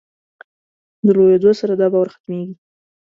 د لویېدو سره دا باور ختمېږي.